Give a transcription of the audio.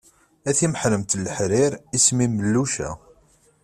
A timeḥremt n leḥrir, isem-im melluca.